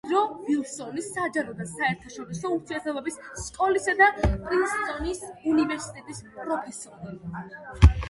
ვუდრო ვილსონის საჯარო და საერთაშორისო ურთიერთობების სკოლისა და პრინსტონის უნივერსიტეტის პროფესორი.